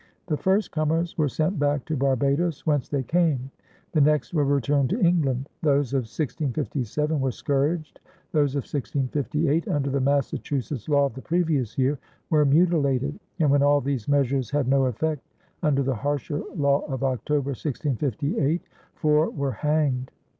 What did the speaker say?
The first comers were sent back to Barbados whence they came; the next were returned to England; those of 1657 were scourged; those of 1658, under the Massachusetts law of the previous year, were mutilated and, when all these measures had no effect, under the harsher law of October, 1658, four were hanged.